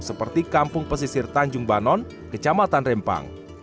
seperti kampung pesisir tanjung banon kecamatan rempang